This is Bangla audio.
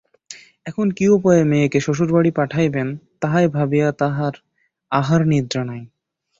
এখন কি উপায়ে মেয়েকে শ্বশুরবাড়ি পাঠাইবেন, তাহাই ভাবিয়া তাঁহার আহার নিদ্রা নাই।